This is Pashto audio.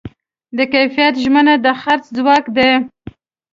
د کیفیت ژمنه د خرڅ ځواک دی.